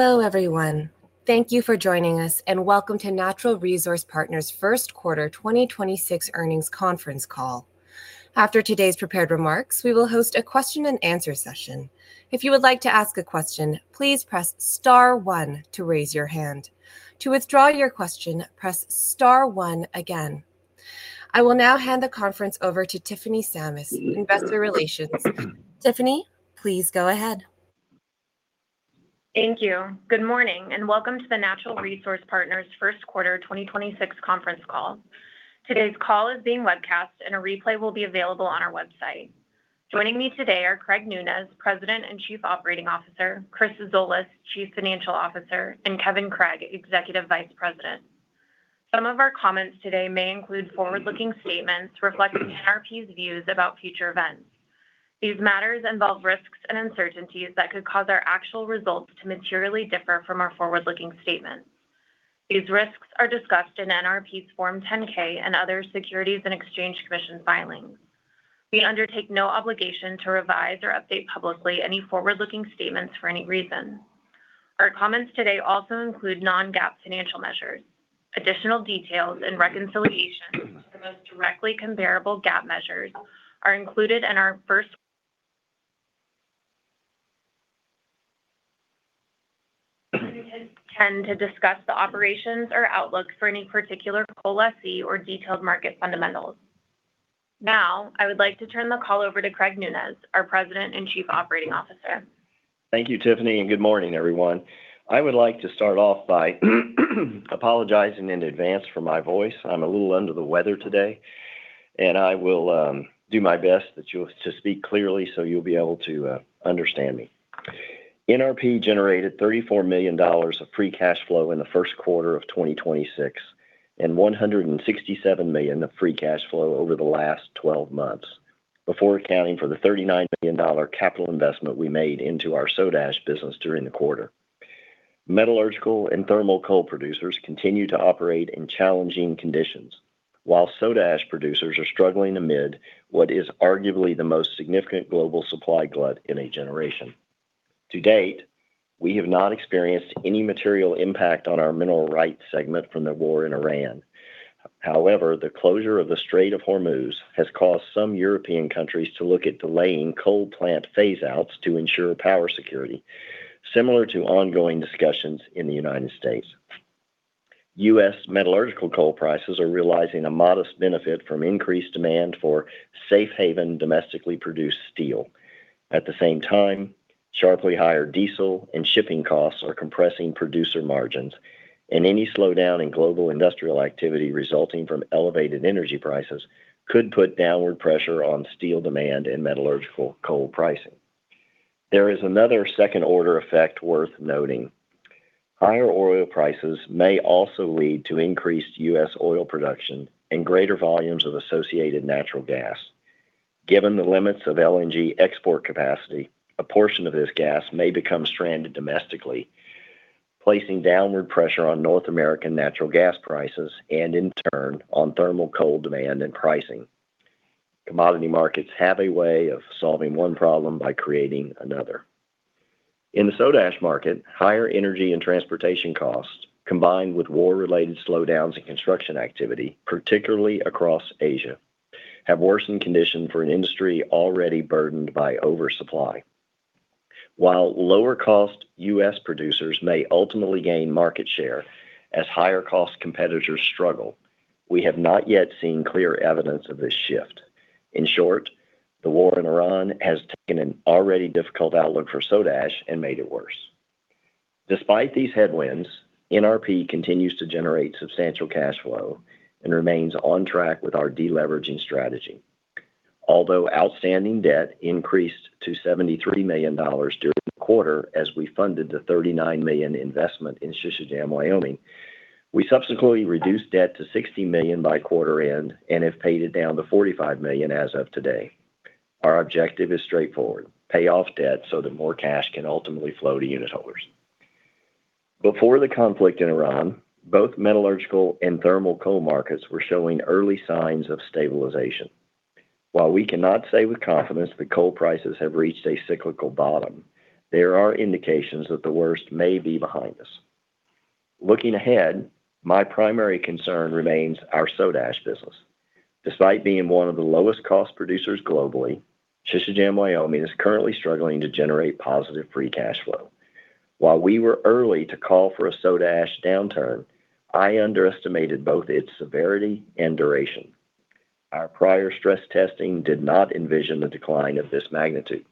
Hello, everyone. Thank you for joining us, and welcome to Natural Resource Partners' first quarter 2026 earnings conference call. After today's prepared remarks, we will host a question and answer session. If you would like to ask a question, please press star 1 to raise your hand. To withdraw your question, press star 1 again. I will now hand the conference over to Tiffany Sammis, Investor Relations. Tiffany, please go ahead. Thank you. Good morning, and welcome to the Natural Resource Partners' first quarter 2026 conference call. Today's call is being webcast, and a replay will be available on our website. Joining me today are Craig Nunez, President and Chief Operating Officer; Chris Zolas, Chief Financial Officer; and Kevin Craig, Executive Vice President. Some of our comments today may include forward-looking statements reflecting NRP's views about future events. These matters involve risks and uncertainties that could cause our actual results to materially differ from our forward-looking statements. These risks are discussed in NRP's Form 10-K and other Securities and Exchange Commission filings. We undertake no obligation to revise or update publicly any forward-looking statements for any reason. Our comments today also include non-GAAP financial measures. Additional details and reconciliation to the most directly comparable GAAP measures are included in our tend to discuss the operations or outlook for any particular coal lessee or detailed market fundamentals. Now, I would like to turn the call over to Craig Nunez, our President and Chief Operating Officer. Thank you, Tiffany, and good morning, everyone. I would like to start off by apologizing in advance for my voice. I'm a little under the weather today, and I will do my best to speak clearly so you'll be able to understand me. NRP generated $34 million of free cash flow in the first quarter of 2026 and $167 million of free cash flow over the last 12 months before accounting for the $39 million capital investment we made into our soda ash business during the quarter. metallurgical and thermal coal producers continue to operate in challenging conditions, while soda ash producers are struggling amid what is arguably the most significant global supply glut in a generation. To date, we have not experienced any material impact on our mineral rights segment from the war in Iran. However, the closure of the Strait of Hormuz has caused some European countries to look at delaying coal plant phase-outs to ensure power security, similar to ongoing discussions in the United States. U.S. metallurgical coal prices are realizing a modest benefit from increased demand for safe haven domestically produced steel. At the same time, sharply higher diesel and shipping costs are compressing producer margins, and any slowdown in global industrial activity resulting from elevated energy prices could put downward pressure on steel demand and metallurgical coal pricing. There is another second-order effect worth noting. Higher oil prices may also lead to increased U.S. oil production and greater volumes of associated natural gas. Given the limits of LNG export capacity, a portion of this gas may become stranded domestically, placing downward pressure on North American natural gas prices and, in turn, on thermal coal demand and pricing. Commodity markets have a way of solving one problem by creating another. In the soda ash market, higher energy and transportation costs, combined with war-related slowdowns in construction activity, particularly across Asia, have worsened condition for an industry already burdened by oversupply. While lower-cost U.S. producers may ultimately gain market share as higher-cost competitors struggle, we have not yet seen clear evidence of this shift. In short, the war in Iran has taken an already difficult outlook for soda ash and made it worse. Despite these headwinds, NRP continues to generate substantial cash flow and remains on track with our deleveraging strategy. Although outstanding debt increased to $73 million during the quarter as we funded the $39 million investment in Sisecam Wyoming, we subsequently reduced debt to $60 million by quarter end and have paid it down to $45 million as of today. Our objective is straightforward: pay off debt so that more cash can ultimately flow to unitholders. Before the conflict in Iran, both metallurgical and thermal coal markets were showing early signs of stabilization. While we cannot say with confidence that coal prices have reached a cyclical bottom, there are indications that the worst may be behind us. Looking ahead, my primary concern remains our soda ash business. Despite being one of the lowest cost producers globally, Sisecam Wyoming is currently struggling to generate positive free cash flow. While we were early to call for a soda ash downturn, I underestimated both its severity and duration. Our prior stress testing did not envision a decline of this magnitude.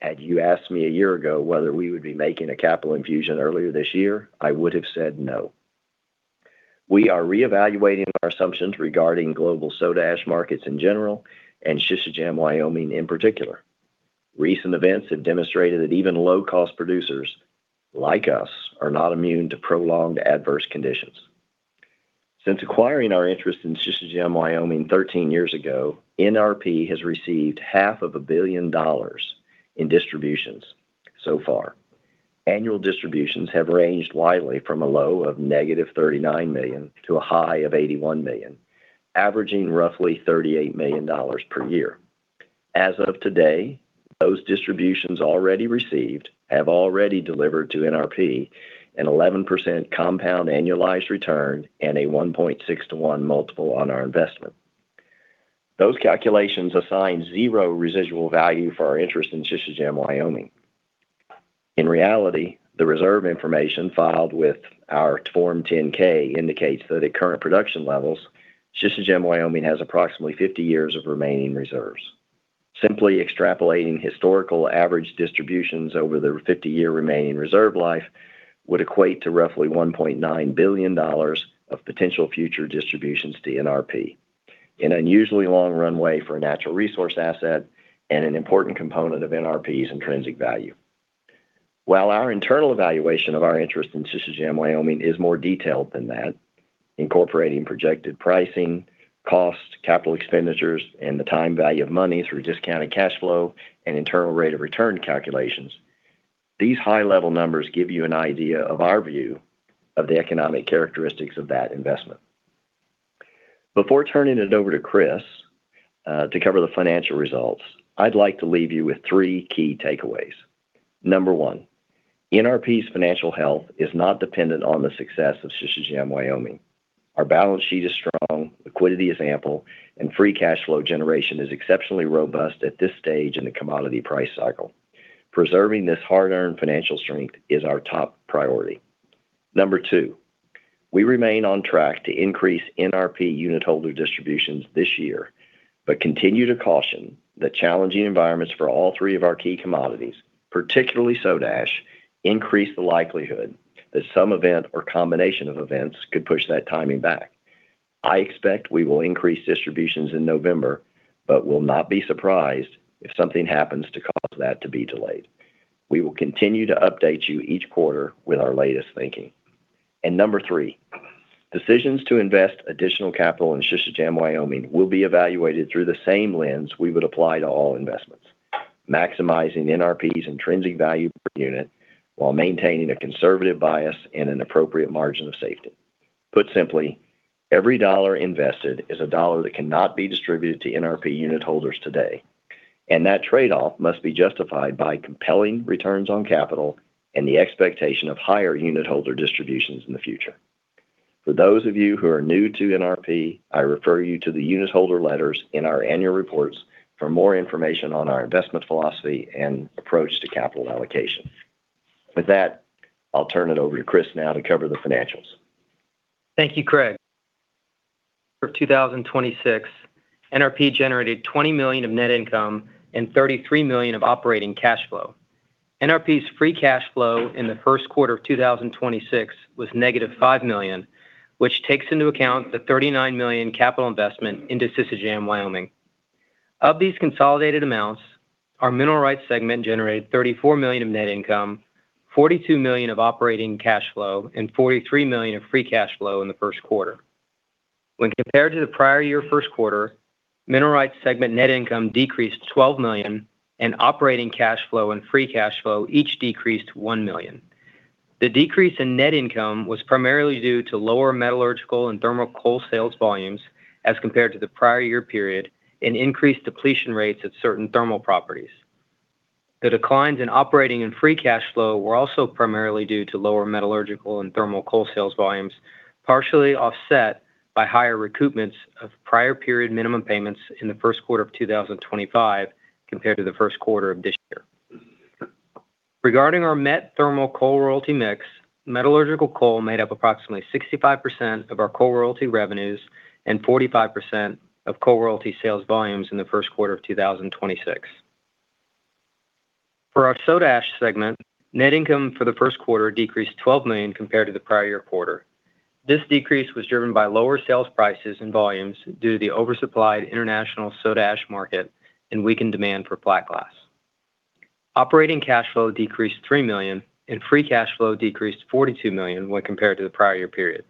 Had you asked me a year ago whether we would be making a capital infusion earlier this year, I would have said no. We are re-evaluating our assumptions regarding global soda ash markets in general and Sisecam Wyoming in particular. Recent events have demonstrated that even low-cost producers like us are not immune to prolonged adverse conditions. Since acquiring our interest in Sisecam Wyoming 13 years ago, NRP has received half of a billion dollars in distributions so far. Annual distributions have ranged widely from a low of -$39 million to a high of $81 million, averaging roughly $38 million per year. As of today, those distributions already received have already delivered to NRP an 11% compound annualized return and a 1.6 to 1 multiple on our investment. Those calculations assign zero residual value for our interest in Sisecam Wyoming. In reality, the reserve information filed with our Form 10-K indicates that at current production levels, Sisecam Wyoming has approximately 50 years of remaining reserves. Simply extrapolating historical average distributions over the 50-year remaining reserve life would equate to roughly $1.9 billion of potential future distributions to NRP, an unusually long runway for a natural resource asset and an important component of NRP's intrinsic value. While our internal evaluation of our interest in Sisecam Wyoming is more detailed than that, incorporating projected pricing, costs, capital expenditures, and the time value of money through discounted cash flow and internal rate of return calculations, these high-level numbers give you an idea of our view of the economic characteristics of that investment. Before turning it over to Chris to cover the financial results, I'd like to leave you with three key takeaways. Number one, NRP's financial health is not dependent on the success of Sisecam Wyoming. Our balance sheet is strong, liquidity is ample, and free cash flow generation is exceptionally robust at this stage in the commodity price cycle. Preserving this hard-earned financial strength is our top priority. Number 2, we remain on track to increase NRP unit holder distributions this year, but continue to caution that challenging environments for all three of our key commodities, particularly soda ash, increase the likelihood that some event or combination of events could push that timing back. I expect we will increase distributions in November, but will not be surprised if something happens to cause that to be delayed. We will continue to update you each quarter with our latest thinking. number 3, decisions to invest additional capital in Sisecam Wyoming will be evaluated through the same lens we would apply to all investments, maximizing NRP's intrinsic value per unit while maintaining a conservative bias and an appropriate margin of safety. Put simply, every dollar invested is a dollar that cannot be distributed to NRP unit holders today, and that trade-off must be justified by compelling returns on capital and the expectation of higher unit holder distributions in the future. For those of you who are new to NRP, I refer you to the unit holder letters in our annual reports for more information on our investment philosophy and approach to capital allocation. With that, I'll turn it over to Chris now to cover the financials. Thank you, Craig. For 2026, NRP generated $20 million of net income and $33 million of operating cash flow. NRP's free cash flow in the first quarter of 2026 was -$5 million, which takes into account the $39 million capital investment into Sisecam Wyoming. Of these consolidated amounts, our mineral rights segment generated $34 million of net income, $42 million of operating cash flow, and $43 million of free cash flow in the first quarter. When compared to the prior year first quarter, mineral rights segment net income decreased $12 million and operating cash flow and free cash flow each decreased $1 million. The decrease in net income was primarily due to lower metallurgical and thermal coal sales volumes as compared to the prior year period and increased depletion rates at certain thermal properties. The declines in operating and free cash flow were also primarily due to lower metallurgical and thermal coal sales volumes, partially offset by higher recoupments of prior period minimum payments in the first quarter of 2025 compared to the first quarter of this year. Regarding our met thermal coal royalty mix, metallurgical coal made up approximately 65% of our coal royalty revenues and 45% of coal royalty sales volumes in the first quarter of 2026. For our soda ash segment, net income for the first quarter decreased $12 million compared to the prior year quarter. This decrease was driven by lower sales prices and volumes due to the oversupplied international soda ash market and weakened demand for flat glass. Operating cash flow decreased $3 million and free cash flow decreased $42 million when compared to the prior year period.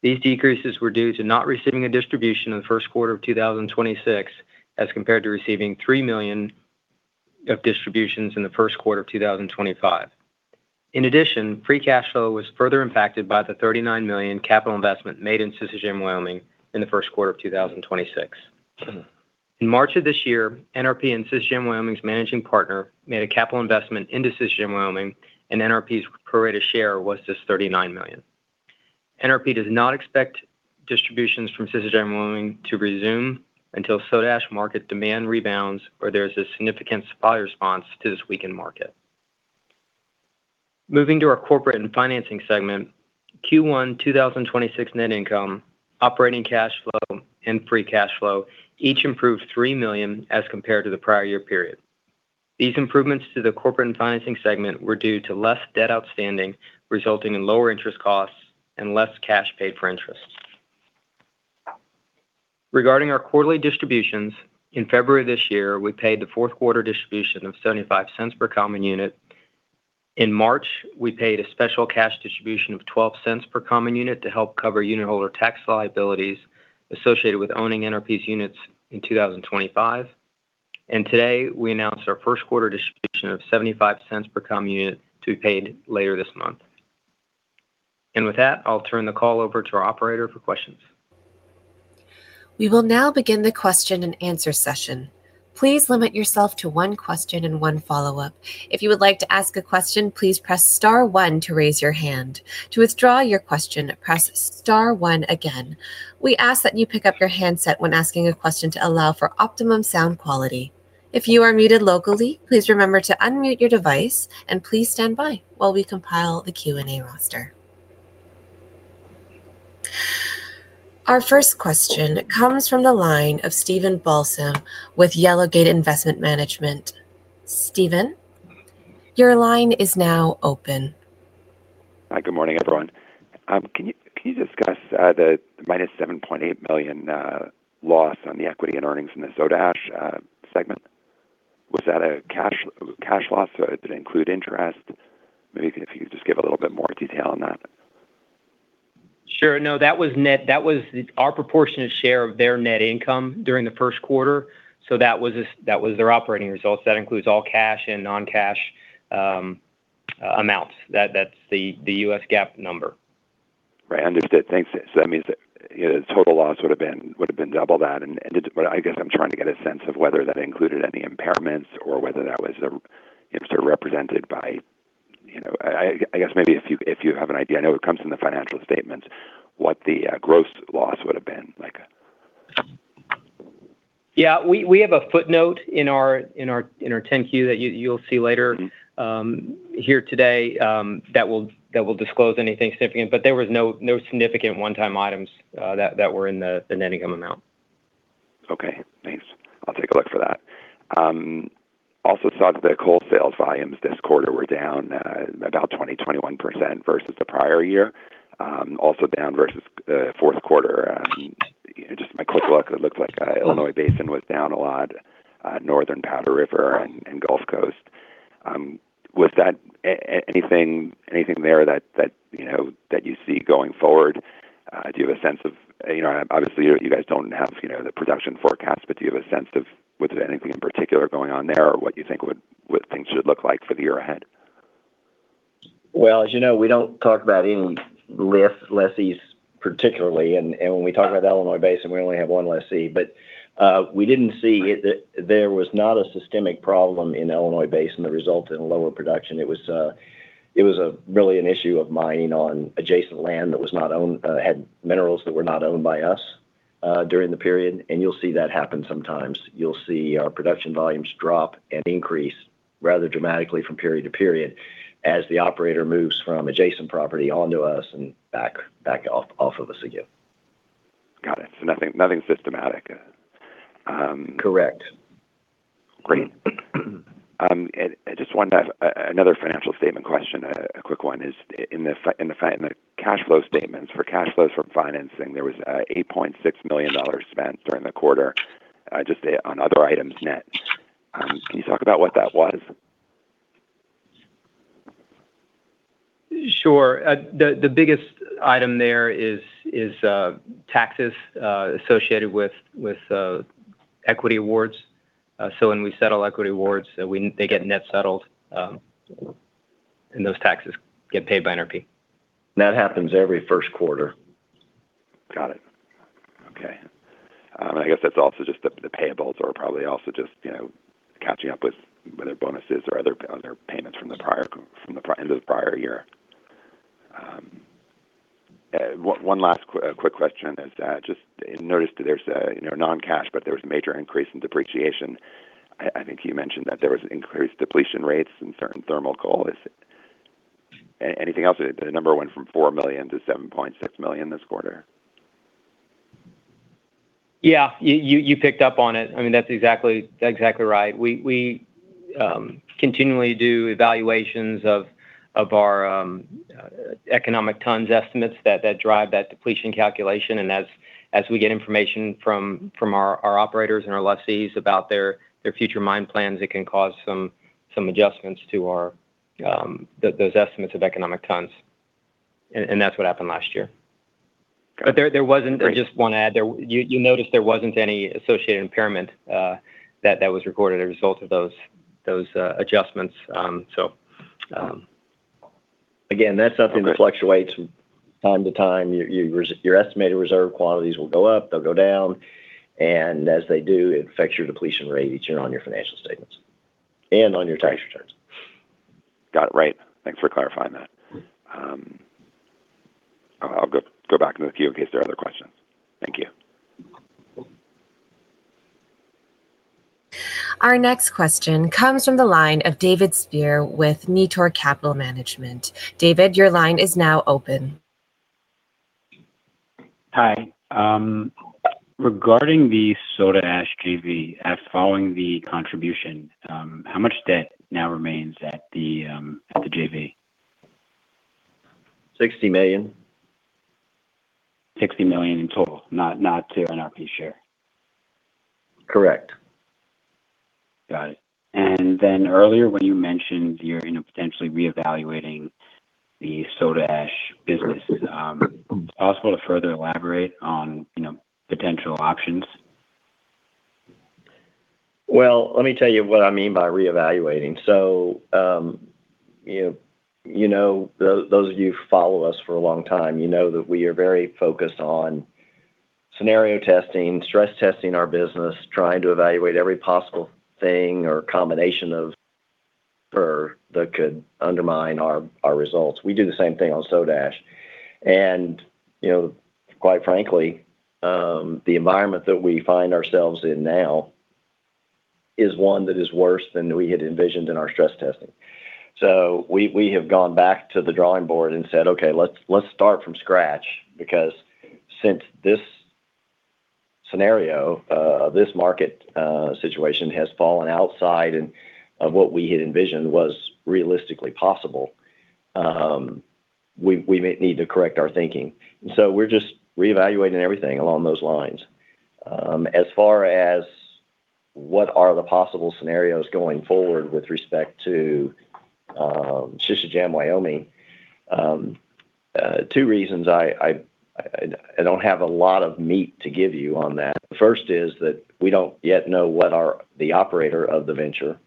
These decreases were due to not receiving a distribution in the first quarter of 2026 as compared to receiving $3 million of distributions in the first quarter of 2025. In addition, free cash flow was further impacted by the $39 million capital investment made in Sisecam Wyoming in the first quarter of 2026. In March of this year, NRP and Sisecam Wyoming's managing partner made a capital investment into Sisecam Wyoming and NRP's pro rata share was this $39 million. NRP does not expect distributions from Sisecam Wyoming to resume until soda ash market demand rebounds or there is a significant supply response to this weakened market. Moving to our Corporate and Financing segment, Q1 2026 net income, operating cash flow, and free cash flow each improved $3 million as compared to the prior year period. These improvements to the corporate and financing segment were due to less debt outstanding resulting in lower interest costs and less cash paid for interest. Regarding our quarterly distributions, in February this year, we paid the fourth quarter distribution of $0.75 per common unit. In March, we paid a special cash distribution of $0.12 per common unit to help cover unit holder tax liabilities associated with owning NRP's units in 2025. Today, we announced our first quarter distribution of $0.75 per common unit to be paid later this month. With that, I'll turn the call over to our operator for questions. We will now begin the question and answer session. Please limit yourself to one question and one follow-up. If you would like to ask a question, please press star one to raise your hand. To withdraw your question, press star one again. We ask that you pick up your handset when asking a question to allow for optimum sound quality. If you are muted locally, please remember to unmute your device, and please stand by while we compile the Q&A roster. Our first question comes from the line of Steven Balsam with Yellow Gate Investment Management. Steven, your line is now open. Hi. Good morning, everyone. Can you discuss the -$7.8 million loss on the equity and earnings in the soda ash segment? Was that a cash loss? Did it include interest? Maybe if you could just give a little bit more detail on that. Sure. No, that was net. That was our proportionate share of their net income during the first quarter. That was their operating results. That includes all cash and non-cash amounts. That's the US GAAP number. Right. Understood. Thanks. That means that, you know, total loss would've been double that. I guess I'm trying to get a sense of whether that included any impairments or whether that was, if sort of represented by, you know I guess maybe if you, if you have an idea, I know it comes from the financial statements, what the gross loss would've been like. Yeah. We have a footnote in our 10-Q that you'll see later here today, that will disclose anything significant. There was no significant one-time items that were in the net income amount. Okay, thanks. I'll take a look for that. Also saw that the coal sales volumes this quarter were down about 20%-21% versus the prior year. Also down versus the fourth quarter. You know, just my quick look, it looks like Illinois Basin was down a lot, Northern Powder River and Gulf Coast. Was that anything there that, you know, that you see going forward? Do you have a sense of, you know, obviously you guys don't have, you know, the production forecast, but do you have a sense of was there anything in particular going on there? Or what you think would, what things should look like for the year ahead? As you know, we don't talk about any less lessees particularly, and when we talk about Illinois Basin, we only have one lessee. We didn't see it. There was not a systemic problem in Illinois Basin that resulted in lower production. It was a really an issue of mining on adjacent land that was not owned, had minerals that were not owned by us, during the period, and you'll see that happen sometimes. You'll see our production volumes drop and increase rather dramatically from period to period as the operator moves from adjacent property onto us and back off of us again. Got it. Nothing, nothing systematic. Correct. Great. Just one last, another financial statement question. A quick one is in the cash flow statements, for cash flows from financing, there was $8.6 million spent during the quarter, just say on other items net. Can you talk about what that was? Sure. The biggest item there is taxes associated with equity awards. So when we settle equity awards, they get net settled, those taxes get paid by NRP. That happens every first quarter. Got it. Okay. I guess that's also just the payables or probably also just, you know, catching up with whether bonuses or other payments from the prior end of the prior year. One last quick question is, just noticed there's a, you know, non-cash, but there was a major increase in depreciation. I think you mentioned that there was increased depletion rates in certain thermal coal. Is anything else? The number went from $4 million to $7.6 million this quarter. Yeah. You picked up on it. I mean, that's exactly right. We continually do evaluations of our economic tons estimates that drive that depletion calculation, and as we get information from our operators and our lessees about their future mine plans, it can cause some adjustments to our those estimates of economic tons and that's what happened last year. Great I just wanna add there, you noticed there wasn't any associated impairment that was recorded as a result of those adjustments. Again, that's something that fluctuates from time to time. Your estimated reserve qualities will go up, they'll go down, and as they do, it affects your depletion rate each year on your financial statements and on your tax returns. Got it. Right. Thanks for clarifying that. I'll go back in the queue in case there are other questions. Thank you. Our next question comes from the line of David Spier with Nitor Capital Management. David, your line is now open. Hi. Regarding the soda ash JV, as following the contribution, how much debt now remains at the JV? $60 million. $60 million in total, not to NRP share? Correct. Got it. Earlier when you mentioned you're, you know, potentially reevaluating the soda ash business, is it possible to further elaborate on, you know, potential options? Well, let me tell you what I mean by reevaluating. You know, those of you who follow us for a long time, you know that we are very focused on scenario testing, stress testing our business, trying to evaluate every possible thing or combination that could undermine our results. We do the same thing on soda ash. You know, quite frankly, the environment that we find ourselves in now is one that is worse than we had envisioned in our stress testing. We have gone back to the drawing board and said, "Okay, let's start from scratch," because since this scenario, this market situation has fallen outside of what we had envisioned was realistically possible, we may need to correct our thinking. We're just reevaluating everything along those lines. As far as what are the possible scenarios going forward with respect to Sisecam Wyoming, two reasons I don't have a lot of meat to give you on that. The first is that we don't yet know what the operator of the venture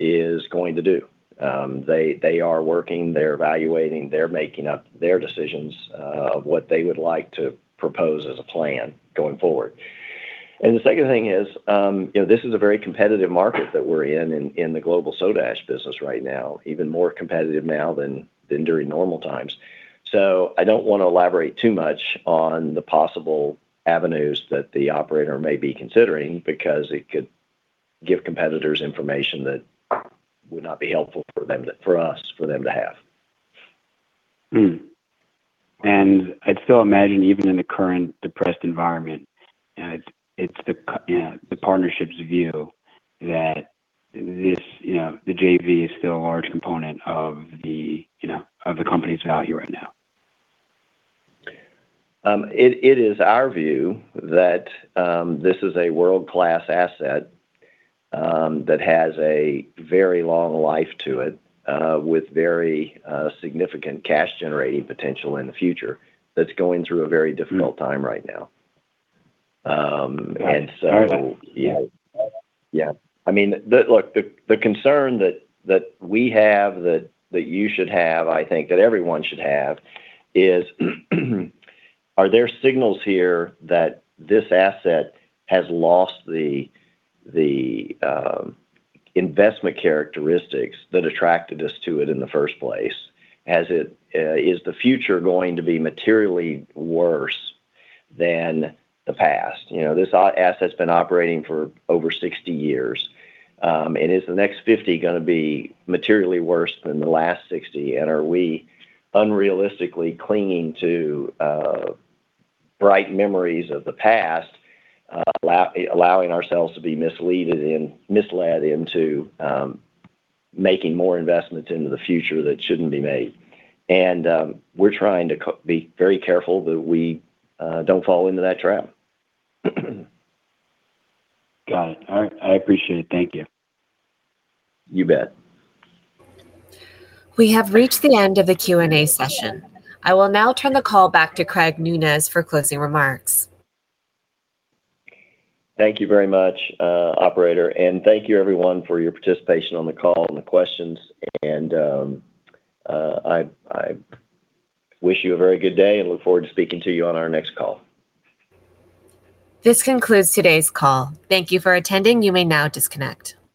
is going to do. They are working, they're evaluating, they're making up their decisions of what they would like to propose as a plan going forward. The second thing is, you know, this is a very competitive market that we're in the global soda ash business right now, even more competitive now than during normal times. I don't wanna elaborate too much on the possible avenues that the operator may be considering because it could give competitors information that would not be helpful for them, for us, for them to have. I'd still imagine even in the current depressed environment, it's the, you know, the partnership's view that this, you know, the JV is still a large component of the, you know, of the company's value right now. It is our view that this is a world-class asset that has a very long life to it with very significant cash generating potential in the future that's going through a very difficult time right now. All right. Yeah. Yeah. I mean, look, the concern that we have, that you should have, I think, that everyone should have is, are there signals here that this asset has lost the investment characteristics that attracted us to it in the first place? Has it, is the future going to be materially worse than the past? You know, this asset's been operating for over 60 years, and is the next 50 years gonna be materially worse than the last 60 years? Are we unrealistically clinging to bright memories of the past, allowing ourselves to be misled into making more investments into the future that shouldn't be made? We're trying to be very careful that we don't fall into that trap. Got it. All right. I appreciate it. Thank you. You bet. We have reached the end of the Q&A session. I will now turn the call back to Craig Nunez for closing remarks. Thank you very much, operator, and thank you everyone for your participation on the call and the questions. I wish you a very good day and look forward to speaking to you on our next call. This concludes today's call. Thank you for attending. You may now disconnect.